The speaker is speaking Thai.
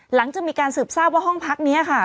หลังจากมีการสืบทราบว่าห้องพักนี้ค่ะ